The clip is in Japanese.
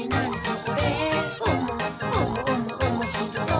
おもしろそう！」